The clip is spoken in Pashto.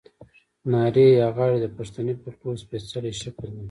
نارې یا غاړې د پښتني فوکلور سپېڅلی شکل دی.